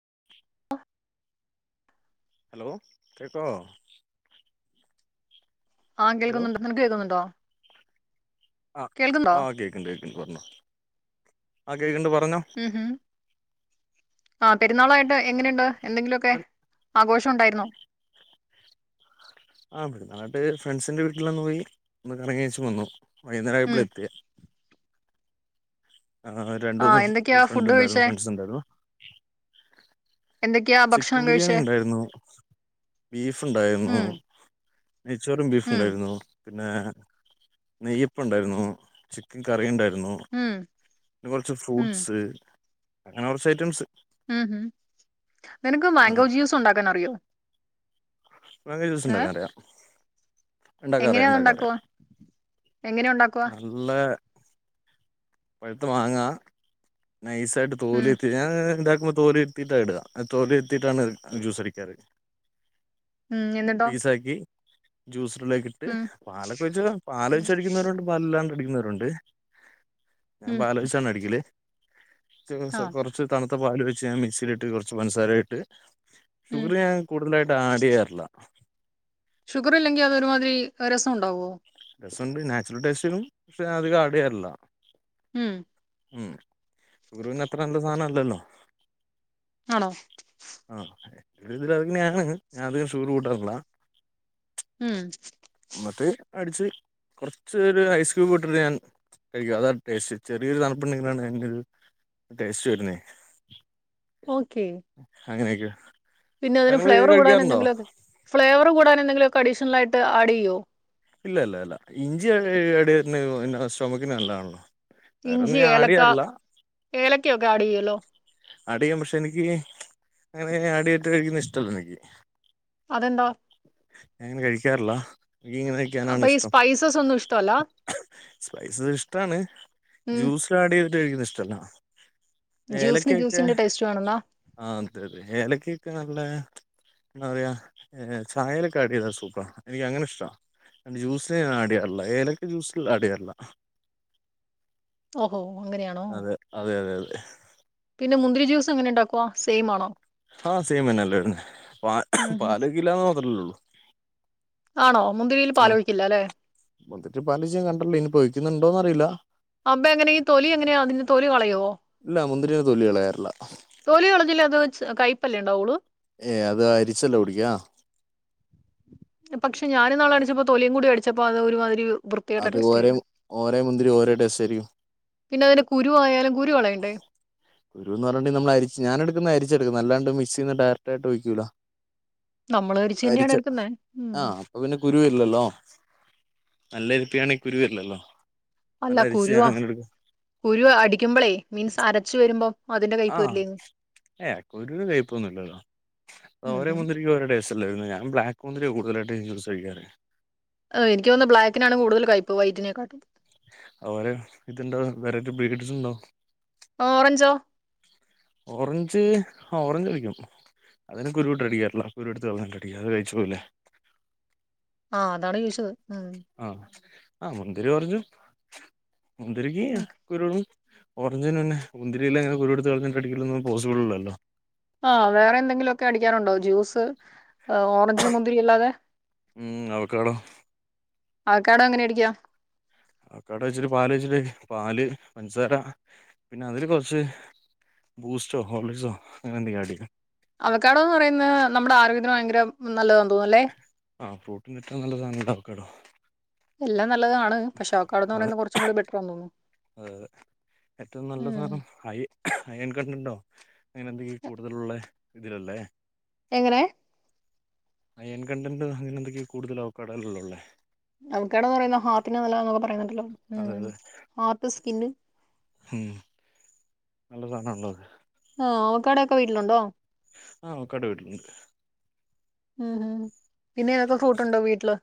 [inaudible] Hello കേക്കാവോ ആ hello കേൾക്കുന്നുണ്ട് നിനക്ക് കേൾക്കുന്നുണ്ടോ ആഹ് കേൾക്കുന്നുണ്ടോ ആ കേക്കണ്ട് കേക്കണ്ട് പറഞ്ഞോ ആ കേൾക്ക്ണ്ട് പറാ പറഞ്ഞോ ആ പെരുന്നാളാട്ട് എങ്ങനെയുണ്ട് എന്തെങ്കിലുഒക്കെ ആഘോഷം ഒണ്ടായിരുന്നോ ആ പെരുന്നാളായിട്ട് ഫ്രണ്ട്സിന്റെ വീട്ടിലൊന്ന് പോയി ഒന്ന് കറങ്ങിയേച്ചു വന്നു ഉം വൈകുന്നേരായാപ്പഴാ എത്തിയെ ആ രണ്ടൂന്ന് ആഹ് എന്തൊക്കെയാ ഫ്രണ്ട് ഫുഡ് ഉണ്ടായിരുന്നു കഴിച്ചേ ഫ്രണ്ട്സ് ഉണ്ടായിരുന്നു എന്തൊക്കെയാ ചിക്കൻ ഭക്ഷണം ബിരിയാണി കഴിച്ചേ ഇണ്ടായിരുന്നു ബീഫ് ഇണ്ടായിരുന്നു ഉം നെയ്ചോറും ബീഫും ഉം ഉണ്ടായിരുന്നോള്ളു പിന്നെ നെയ്യപ്പം ഇണ്ടായിരുന്നു ചിക്കൻ കറി ഇണ്ടായി മ്മ്ഹ് പിന്നെ കൊറച്ച് ഫ്രൂട്സ് അങ്ങനെ കൊറച്ച് ഐറ്റംസ് ഉംഹ് ഹം നിനക്ക് ആ മാങ്കോ ജ്യൂസ് ഉണ്ടാക്കാൻ അറിയോ േജ ഏഹ് ഉണ്ടാക്കാൻ അറിയാ ഉണ്ടാക്കാറിയ എങ്ങനെയാ അത് ഉണ്ടാക്കാറിയാ ഉണ്ടാക്കുവാ എങ്ങനെയാ ഉണ്ടാക്കുവാ നല്ല [unintelligible] പഴത്ത മാങ്ങ നൈസ ആായിട്ട് ഉം തോലിെത്തി ഞാൻ എന്ത തോല എത്തിീട്ട ഇടുക തോല എത്തിീട്ടാണ് ജ്യൂസടിക്കാറ് ഉംഹ് എന്നെട്ടാ ജൂസ് ഇട്ട് പാലൊക്കെ വെച്ച് പാല വെച്ച് അടിക്കുന്നവരുണ്ട് പാലാണ്ട് അടിക്കുന്ന ട്ടുണ്ട് ഞാൻ ഉം ബാലകൃഷ്ണ അടിക്കല് [unintelligible] ആഹ് കൊറച്ച് തണു ഇ പാല് വെച്ച് ഞാൻ മിക്സിലിട്ട് കുറച്ച് പഞ്ചസാരയിട്ട് ഉം ഷുഗർ ഞാൻ കൂടുതലായിട്ട് ആഡ് യ്യാറില്ല ഷുഗർ ഇല്ലെങ്കിൽ അതൊ ഒരുമാതിരി രസമുണ്ടാവോ രസണ്ട് നാച്ചുറൽ ടേസ്റ്റിനും പക്ഷെ അതികം ആഡ് യ്യാറില്ല ഉം ഉം ഷുഗറ് പിന്നെ അത്ര നല്ല സാധനല്ലല്ലോ ആണോ ആഹ ഇതില അങ്ങനെയാണ് ഞാൻ അധികം ഷുഗർ കൂട്ടാറില്ല ഉം എന്നിട്ട് അടിച്ച് കുറച്ച് ഒരു ഐസ് ക്യൂബ് ഇട്ടിട്ട് ഞാൻ കഴിക്കും അതാണ് ടേസ്റ്റ് ചെറിയൊരു തണുപ്പുണ്ടെങ്കിലാണ് അതിറ്റൊരു ടേസ്റ്റ് വരുന്നേ ഓക്കേ അങ്ങനെയൊക്കെയ പിന്നെ അതിന് ഫ്‌ളേവർ കൂടാനെന്തെങ്കിലൊക്കെ ഫ്ളേവർ കൂ അൻ എന്തെിലൊക്ക അഡീഷണലായിട്ട് ആഡ് ചെയ്യോ ഇല്ല ഇല്ല ഇല്ല ഇഞ്ചി അട പിന്നെ സ്റ്റൊമക്കിന് നല്ലതാണല്ലോ വേറൊന്നും ഇഞ്ചി ഞാൻ ആഡ് ഏലക്ക ചെയ്യാറില്ല ഏലക്ക ഒക്കെ ആഡ് ചെയ്യല്ലോ ആഡെയ്യാം പക്ഷെ എനിക്ക് അങ്ങനെ ആഡിയറ്റ് കഴിക്കുന്ന ഇഷ്ടല്ല എനിക്ക് അതെന്താ ഞാങ്ങനെ കിക്കാറില്ല എനിക്കി ക്കാനാണ് അപ്പൊ ഈ ഇഷ്ടം സ്പൈസസ് ഒന്നും ഇഷ്ടമല്ല സ്പൈസസ് ഇഷ്ടാണ് ഉം ജ്യൂസില് ആഡ് ഴിക്കുന്ന ഇഷ്ടല്ല ജ്യൂസിന് ഏലക്കക്കെ ജ്യൂസിന്റെ ടേസ്റ്റ് വേണമെന്നാ ആഹ് അതെ അതെ ഏലക്കിക്ക് ഒക്കെ നല്ല എന്താ പറയാ ചായലൊക്കെ ആഡ് ചെയ്താ സൂപ്പർ എനിക്ക് അങ്ങനെ ഇഷ്ട ജ്യൂസില് ഞാൻ ആഡെയ്യാറില്ല ഏലക്ക ജ്യൂസിൽ ആഡെയ്യാറില്ല ഓഹോ അങ്ങനെയാണോ അതെ അതെ പിന്നെ മുന്തിരി ജൂസ് എങ്ങനെ ഉണ്ടാക്കുവാ സെയിം ആണോ ആഹ് സൈമെന്നെല്ലുന്നെ ഉം പ ഉം. പാലക്കില്ലന്ന് മാത്രല്ലള്ളൂ ആണോ മുന്തിരിയിൽ പാലൊഴിക്കില്ല അല്ലെ മുന്തിട്ട പാലച്യ ഞാൻ കണ്ടില്ല ഇനി പൊയ്ക്കുന്നുണ്ടോന്ന് അറിയില്ല അപ്പ എങ്ങനെ തൊലി എങ്ങനെയാ അതിന്റെ തൊലി കളയുവോ ഇല്ല മുന്തിരിയുടെ തൊലി കളയാറില്ല തൊലി കളിഞ്ഞില്ല അത് കൈ പ്പല്ലേ ഉണ്ടാവുള്ളൂ ഏ അത് അരിച്ചല്ല കുടിക്കാ പക്ഷെ ഞാനിന്നാള് കാണിച്ചപ്പോ തൊലിയും കൂടെ എടുത് ചപ്പോ അത് ഒരുമാതിരി വൃത്തികെട്ട അത് ടേസ്റ്റ് ഓരെ ആയിരുന്നു ഓരെ മുന്തിരി ഓരോ ടേസ്റ്റായിരിക്കും പിന്നെ അതിന്റെ കുരു ആയാലും കുരു കളയണ്ടേ കുരൂന്ന് പറഞ്ഞ്ട്ട്ണ്ടെങ്കി നമ്മൾ അരിച്ച് ഞാനെടുക്കുന്ന അരിച് ച്ചെടുക്ക്ന്നാ അല്ലാണ്ട് മിക്സീന്ന് ഡയറക്റ്റായിട്ട് ഒഴിക്കൂല്ല നമ്മള് കരിച്ച് തന്നെയാണ് അരിച്ച് എടുക്കുന്നേ ഉം ആഹ് അപ്പൊ പിന്നെ കുരുവില്ലല്ലോ നല്ല അരിപ്പ ആണെങ്കി കുരുവരില്ലല്ലോ അല്ല കുരുവാ കുരുവാ അടിക്കുമ്പളേ മീൻസ് അരച്ചു വരുമ്പോ ആഹ് ഏ കുരൂന് കയ്പ്പൊന്നും ഇല്ലല്ലോ ഉം ഓരേ ഉം മുതിരിക്ക് ഓരോ ടേസ്റ്റാ അല്ലെ വര്ന്നെ ഞാൻ ബ്ലാക്ക് മുന്തിരിയാ കൂടുതലായിട്ടും ജ്യൂസ് അടിക്കാറ് ഏഹ് എനിക്ക് തോന്നുന്നെ ബ്ലാക്കിനാണ് കൂടുതൽ കൈപ്പ് വൈറ്റിനെക്കാട്ടും അവരെ ഇത്ണ്ടോ വെറൈറ്റി ബ്രീഡ്സ് ഇണ്ടാവും ഓറഞ്ചോ ഓറഞ്ച് ഓറഞ്ച് കഴിക്കും അതിന് കുരുവിട്ട് അടിക്കാറില്ല കുരുവെടുത്ത് കളഞ്ഞിട്ട് അടിക്കും അല്ലാതെഅത് കയിച്ചുപോകില്ലേ ആ അതാണ് ചോയിച്ചത് ആഹ് ആഹ് മുന്തിരി കൊർച് മുന്തിരിക്ക് ഓക്കെ കുരുകളും ഓറഞ്ചിന് പിന്നെ മുന്തിരിയിലങ്ങനെ കുരുവെടുത്ത് കളഞ്ഞിട്ട് അടിക്കലൊന്നും പോസിബിൾ അല്ലല്ലോ ആഹ് വേറെ എന്തെങ്കിലുമൊക്കെ അടിക്കാറുണ്ടോ ജ്യൂസ് ഓറഞ്ച് മുന്തിരി അല്ലാതെ ഉം അവക്കാടോ അവകാടോഎങ്ങനെ അടിക്കാ അവകടോ വെച്ചിട്ട് പാല് ഒഴിച്ചിട്ട് പാൽ പഞ്ചാര പിന്നെ അതില് കൊറച്ച് ബൂസ്റ്റോ ഹോർളിക്‌സോ അങ്ങനെ എന്തെങ്കിലും ആഡ് ചെയ്യും അവക്കാടോന്ന് പറയുന്നെ നമ്മുടെ ആരോഗ്യത്തിന് ഭയങ്കര നല്ലതാ പോലെ ആ ഫ്രൂട്ടിൽ ഏറ്റവും നല്ല സാധനം അല്ലെ അവകാടോ എല്ലാം നല്ലതാണ് പക്ഷെ അവക്കാടോന്ന് പറയുന്നത് കുറച്ചും കൂടി ബെറ്ററാന്ന് തോനുന്നു ഏഹ്, ഏറ്റവും നല്ല ഉം ഉം സാധനം ഹൈ അയൺ കണ്ടന്റോ അങ്ങനെ എന്തെങ്കിലും കൂടുതലുള്ള ഇതിലല്ലേ എങ്ങനെ അയൺ കണ്ടൻ്റോ അങ്ങനെ എന്തൊക്കെയോ കൂടുതൽ അവകാടോയിൽ അല്ലെ ഒള്ളേ അവക്കാടോന്ന് പറയുന്നെ ഹാർട്ടിന് നല്ലതാന്നൊക്കെ പറയുന്നുണ്ടല്ലോ അതെ ഉം അതെ ഹാർട്ട് സ്കിന്ന് ഉം നല്ല സാധനാണല്ലോ അത് ആഹ് അവക്കാടോ ഒക്കെ വീട്ടിലുണ്ടോ? ആഹ് [unintelligible] വീട്ടിലുണ്ട് ഹൂഹും പിന്നെ ഏതൊക്കെ ഫ്രൂട് ഉണ്ട് വീട്ടില്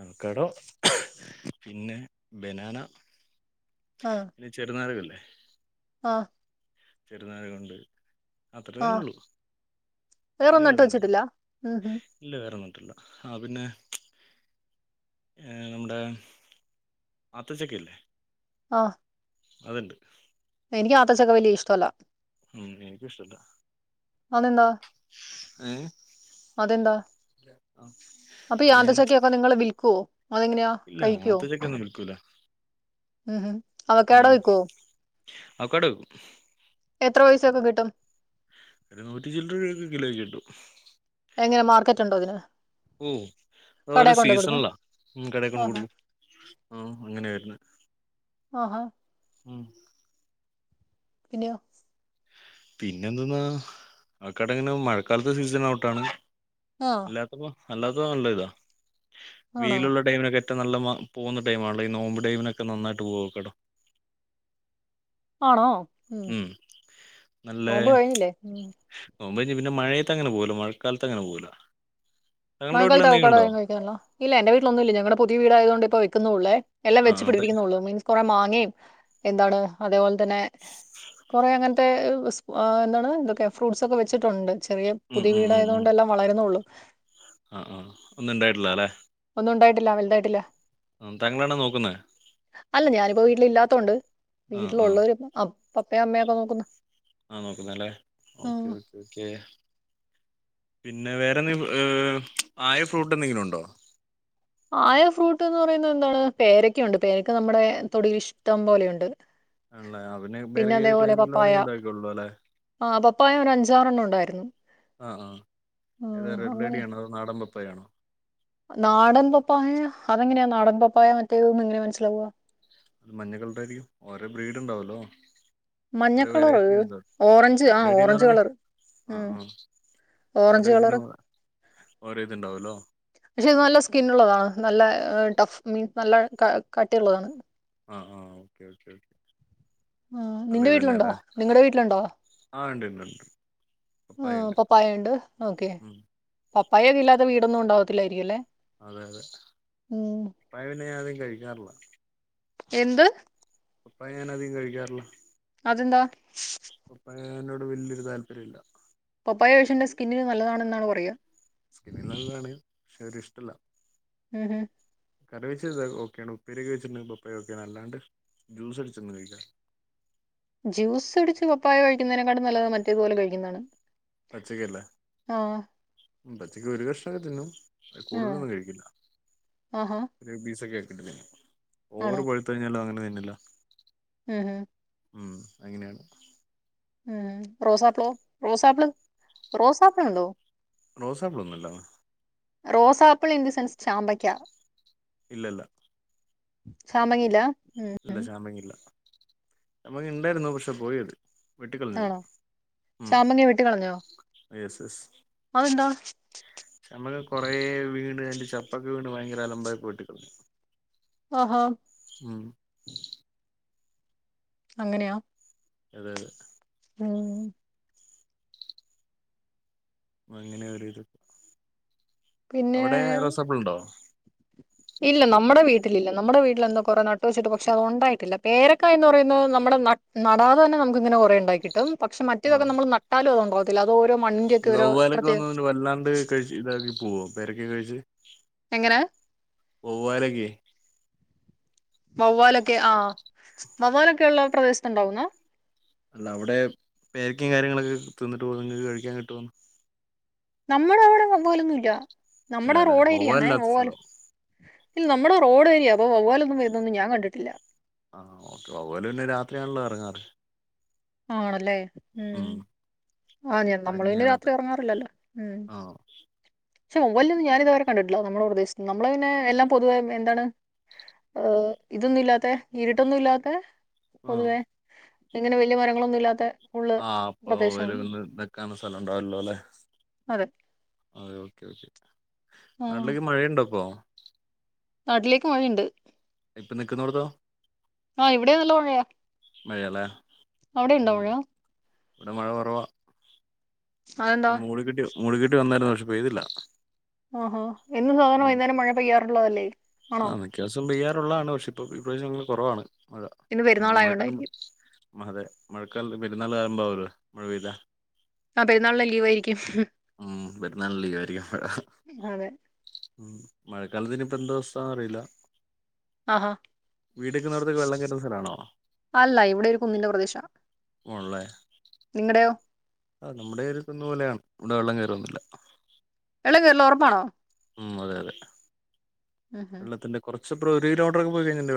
ആഹ് അവകാടോ പിന്നെ ബനാന ആഹ് പിന്നെ ചെറുനാറകല്ലേ ആഹ് ചെറുനാരകം ഉണ്ട് അത്രതന്നെ ആഹ് ഉള്ളൂ പിന്നെ വേറൊന്നും നട്ട് വേറൊന്നില്ല വെച്ചിട്ടില്ല ഉം ഉം ഇല്ല വേറന്നിട്ടില്ല ആഹ് പിന്നെ ഏ നമ്മുടെ അത്തച്ചക്ക ഇല്ലേ ആഹ് അതുണ്ട് എനിക്ക് ആത്തച്ചക്ക വലിയ ഇഷ്ടമല്ല ഉം എനിക്കും ഇഷ്ടല്ല [unintelligible] അതെന്താ അപ്പ ഈ ആ ആന്തച്ചക്കൊക്കെ നിങ്ങള് വിൽക്കുവോ? അതെങ്ങനെയാ ഇല്ല കഴിക്കുവോ? ആത്തച്ചക്കയൊന്നും വിൽക്കൂല ഉ ഹും അവക്കാഡോ വിക്കുവോ? അവക്കാഡോ വിക്കും. എത്ര പൈസയൊക്കെ കിട്ടും? ഒരു നൂറ്റി ചില്ലറ രൂപയൊക്കെ കിലോക്ക് കിട്ടും എങ്ങനെ മാർക്കറ്റ് ഉണ്ടോ അതിന് ഓ കടേ അതോരോ കൊണ്ടോയി കൊടുക്കും സീസണിലാ ഇം കടേ ആഹാ കൊണ്ട്കൊടുക്കും ആ അങ്ങനെയാ വരുന്നേ ആഹാ ഉം പിന്നയോ? പിന്നെ എന്തെന്നാ അവക്കാഡോ ഇങ്ങനെ മഴക്കാലത്തെ സീസൺ ഔട്ടാണ്. ആഹ് ഇല്ലാത്തപ്പൊ അല്ലാത്തപ്പോ നല്ല ഇതാ ആണോ വെയിലുള്ള ടൈമിനൊക്കെ നല്ല മ പോകുന്ന ടൈം ആണല്ലോ ഈ നോമ്പ് ടൈമിനൊക്കെ നന്നായിട്ട് പോവാക്കട്ടോ ആണോ? ഉം നല്ല നോമ്പ് കഴിഞ്ഞില്ലേ ഉം നോമ്പ് കഴിഞ്ഞ് പിന്നെ മഴയത്ത് അങ്ങനെ പോവൂലാ മഴക്കാലത്ത് അങ്ങനെ പോവൂല്ല [unintelligible] കഴിക്കാനോ ഇല്ല എന്റെ വീട്ടലൊന്നുംല്ല ഞങ്ങടെ പുതിയ വീടായതുകൊണ്ട്പ്പ ക്കുന്നുള്ളേ എല്ലാം ആ വെച്ച് ഉണ്ട് പിടിപ്പിക്കുന്നുള്ളൂ മീൻസ് കൊറെ മാങ്ങേം എന്താണ് അതേപോ അതന്നെ കൊറേ അങ്ങൻത്തെ സ് എന്താണ് എന്തൊക്കെ ഫ്രൂട്ട്സൊക്കെ വെച്ചിട്ടുണ്ട് ചെറിയ ഉം പുതിയ ഉം ഉം വീടായത് ഉം കൊണ്ട് എല്ലാം വളരുന്നെള്ളൂ ആ ആ ഒന്നും ഉണ്ടായിട്ടില്ല അല്ലെ ഒന്നും ഉണ്ടായിട്ടില്ല വലുതായിട്ടില്ല ആ താങ്കളാണോ നോക്കുന്നേ തുണ്ട് ആ ആ വീട്ടിലുള്ളവര് അപ് പപ്പേ അമ്മേ ഒക്കെ നോക്കുന്ന് ആഹ് നോക്കുന്നല്ലേ ഓക്കെ ഓക്കേ ഓക്കേ പിന്നെ വേറെന്ത ങ് ആയ ഫ്രൂട്ട് എന്തെങ്കിലും ഉണ്ടോ ആയ ഫ്രൂട്ട് എന്ന് പറയുന്നത് എന്താണ് പേരക്കയുണ്ട് പേരക്ക നമ്മുടെ തൊടിൽ ഇഷ്ടം പോലെയുണ്ട് ആണല്ലേ അവെ വേറെ പിന്നെ ഏത് അതേപോലെ പപ്പായ ക്ലൈമറ്റിലോണെങ്കിൽ ഇണ്ടായിക്കൊള്ളൂം അല്ലെ ആ പപ്പായ ഒരു അഞ്ചാറെണ്ണം ഉണ്ടായിരുന്നു ആഹ ആ ഏതാ ഉം, റെഡ് അങ്ങനെ ലേഡിയാണോ അതോ നാടൻ പപ്പായയോ പ്പഴാണോ നാടൻ പപ്പായ അതെങ്ങനെയാ നാടൻ പപ്പായ മറ്റേ ഒന്ന് ഇങ്ങനെ മനസ്സിലാഹുവ അ മഞ്ഞക്കളറായിരിക്കും ഓരേ ബ്രീഡ് ഉണ്ടാവല്ലോ ഓരോ മഞ്ഞക്കളർ വെറൈറ്റി ഉണ്ടോ ഓറഞ്ച് ആ റെഡ് ലേഡി എന്ന് ഓറഞ്ച് പറയണ്ടേ കളർ ആ ഉം ആ ഓരോ ഓറഞ്ച് കളറ് ഇതിനും ഓരോ ഇതുണ്ടാവല്ലോ പക്ഷെത് നല്ല സ്കിന്നുള്ളതാണ് നല്ല ഫ് മീൻ നല്ല കട്ടിയുള്ളതാണ് ആ ആ ഓക്കെ ഓക്കെ ഓക്കെ ആ നല്ല നിന്റെ ഇത് തന്നെ വീട്ടിലുണ്ടോ അല്ലേ നിങ്ങളടെ വീട്ടിലുണ്ടോ ആ ഉണ്ട് ഉണ്ട് ഉണ്ട് ആ പപ്പായ ഉണ്ട് പപ്പായുണ്ട് ഓക്കെ ഉം പപ്പായൊക്കെ ഇല്ലാത്ത വീടൊന്നും ഉണ്ടാവത്തില്ലായിരിക്കുംല്ലേ അതെ അതെ പപ്പായ പിന്നെതെ കഴിക്കാറില്ല എന്ത് ഇപ്പ ഞാനധികം കഴിക്കാറില്ലാ അതെന്താ ഏ നോട് വല്യയൊരു താല്പര്യ ഇല്ല പപ്പായ വേഷിന്റ് സ്കിന്നിന് നല്ലതാണെന്നാണ് പറയുക സ്കിന്നിന് നല്ലതാണെൽ പക്ഷെ ഒരു ഇഷ്ടല്ല ഉം ഹ് കറി വെച്ച ത് ഓക്കെയാണ് ഉപ്പേരി യൊക്കെ വെച്ചിട്ടുണ്ട് [unintelligible] ഓക്കെയ അല്ലാണ്ട് ജ്യൂസ് അടിച്ചിന്ന് കഴിക്ക ജ്യൂസ് അടിച്ച് പപ്പായ കഴിക്കുന്നതിനെക്കാട്ടി നല്ലതാണ് മറ്റേതുപോലെ കഴിക്കുന്നതാണ് പച്ചക്കല്ല ആ പച്ചക്ക് ഒരു കഷ്ണൊക്കെ തിന്നും ആ കൂടുതലൊന്നും കഴിക്കില്ല ആഹാ ഒരു പീസക്കെ ഓവർ ആണോ പഴുത്ത് കഴിഞ്ഞാല് അങ്ങന ക ഉം ഉം ഉം അങ്ങനെയാണ് ഉം റോസാപ്പിളോ റോസാപ്പിള് റോസാപ്പിള്ണ്ടോ റോസാപ്പിളൊന്നുല്ല റോസാപ്പിൾ ഇൻ ദി സെൻസ് ചാമ്പയ്ക്ക ഇല്ല ഇല്ല ചാമ്പകില്ലാ ഇല്ല ചാമ്പങ് ഇല്ല നമ്മക്ക് ഇണ്ടായിരുന്നു പക്ഷെ പോയത് വെട്ടിക്കളഞ്ഞത് ആണോ ഉം ചാമങ്ങ വെട്ടി കളഞ്ഞോ യെസ് യെസ് നമ്മക്ക് കൊറേ വീട് ചപ്പക്ക വീണ്ട് ഭയങ്കര അലമ്പായി പോട്ടിക്കളു അഹാ ഉം അങ്ങനെയാ അതെ അതെ ഉം അങ്ങനെ ഒരിത് പിന്നെ അവിടെ റോസാപ്പിളുണ്ടോ ഇല്ല നമ്മടെ വീട്ടിലില്ല നമ്മടെ വീട്ടിലെന്തോ കൊറെ നട്ട് വെച്ചിട്ട് പക്ഷെ അത് ഉണ്ടായിട്ടില്ല പേരക്കായ എന്ന് പറയുന്നത് നമ്മുടെ നടാതെ തന്നെ നമുക്ക് ഇങ്ങനെ കൊറേ ഉണ്ടായി കിട്ടും പക്ഷേ മറ്റേതൊക്കെ ആഹ് നമ്മൾ നട്ടാലും അതു ഉണ്ടോ ഈ വവ്വാലൊക്കെ വന്നണ്ട് വല്ലാണ്ട് കഴി ഇതാക്കി പോവോ പേരക്കെ കഴിച്ച് എങ്ങനെ വവ്വാലക്കി വവ്വാലൊക്കെ ആഹ വവ്വാലൊക്കെ ഉള്ള പ്രദേശത്തുണ്ടാവുന്നാ അല്ല അവിടെ പേരക്കേം കാര്യങ്ങളൊക്കെ തിന്നിട്ട് പോക നിങ്ങക്ക് കഴിക്കാൻ കിട്ടുമെന്ന് നമ്മുടെ അവിടെ പോലൊന്നും ഇല്ല ഇല്ല നമ്മെടെ അല്ലെ റോഡ് ഏരിയണേ വവ്വാലില്ലാത്ത സ്ഥലവാ വവ്വാലും- ഇല്ല നമ്മുടെ റോഡ് രിയ അപ്പ വവ്വാലൊന്നും വരുന്നെന്നും ഞാൻ കണ്ടട്ടില്ല ആഹ് ഓക്കെ വവ്വാൽപ്പിന്നെ രാത്രിയാണല്ലോ ഇറങ്ങാറ് ആണല്ലേ ഉം ആതെ നമ്മള് പിന്നെ അതിനെയാണത് രാത്രി ഇറങ്ങാറില്ലല്ലോ ഉം ആഹ് പക്ഷെ [unintelligible] ഞാനിതുവരെ കണ്ടിട്ടില്ല നമ്മുടെ പ്രദേശത്ത് നമ്മള് പിന്നെ എല്ലാം പൊതുവെ എന്താണ് ഏ ഇതൊന്നും ഇല്ലാത്ത ഇരിട്ടൊന്നും ഇല്ലാത്ത ആ പൊതുവെ ഇങ്ങനെ വലിയ മരങ്ങളൊന്നും ഇല്ലാത്തെ ആ അപ്പൊ [unintelligible] നിക്കാൻള്ള സ്ഥലം ഉണ്ടാവില്ലോലെ അതെ [unintelligible] ആ നാട്ടിലേക്ക് മഴയുണ്ടോപ്പോ? നാട്ടിലേക്ക് മഴയുണ്ട് ഇപ്പം നിക്കുന്നോടത്തോ ആഹ് ഇവിടേം നല്ല മഴയാ മഴലേ അവിടെ ഇണ്ടോ മഴ ഇവിടെ മഴ കൊറവാ അതെന്താ ന്ന് മൂടി കിട്ടിയോ മൂടികെട്ടി വന്നായിരുന്നു പക്ഷെ പെയ്തില്ല ആഹാ എന്നും സാധാരണ ഉം വൈന്നാരം മഴ പെയ്യാറുള്ളതല്ലേ ആണോ ഉള്ളാണ് പക്ഷെ ഇപ്പം ഇപ്രാവശ്യം കൊറവാണ് മഴ ഇന്ന് പെരുന്നാൾ ആയോണ്ടായിരിക്കും കെൽ പെരുന്നാള് അഅമ്പാവൂലെ മഴ പെഴ്ത അതെ നാളെ ലീവ് ആയിരിക്കും ഉം പെരുന്നാളിന് ലീവായിരിക്കും മഴ അതെ ഉം മഴക്കാലത്തിനിപ്പം എന്താ അവസ്ഥാറിയില്ല ആഹാ വെള്ളം കേറുന്ന സ്ഥലാണോ അല്ല ഇവിടെ ഒരു കുന്നിന്റെ പ്രദേശ നിങ്ങടെയോ? ആ നമ്മുടെ ഏരിയത്തൊന്നും [unintelligible] വെള്ളം കേറൊന്നില്ല [unintelligible] കേറില്ല ഒറപ്പാണോ ഉം അതെ അതെ വെള്ളത്തിന്റെ കൊറ സെബ്രുവരിയില് ഓർഡർ [unintelligible]